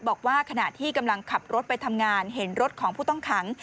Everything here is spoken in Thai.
บอกว่าขณะที่กำลังขับรถไปทำงานเห็นรถของผู้ต้องขัง